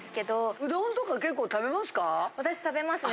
うどんとか結構食べますか？